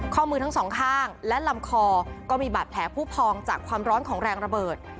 ข้อมือทั้งสองข้างและลำคอก็มีบาดแผลผู้พองจากความร้อนของแรงระเบิด